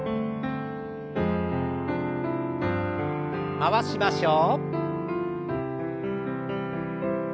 回しましょう。